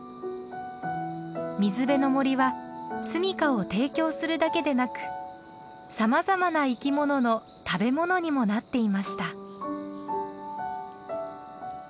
水辺の森は住みかを提供するだけでなくさまざまな生き物の食べ物にもなっていました。